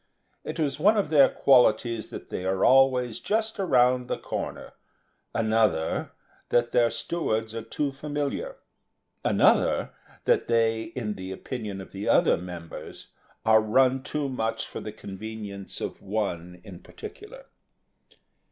It is one of their qualities that they are always just round the corner; another, that their stewards are too familiar; another, that they in the opinion of the other members are run too much for the convenience of one in particular.